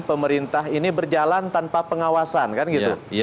pemerintah ini berjalan tanpa pengawasan kan gitu